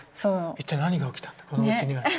一体何が起きたんだこのうちには。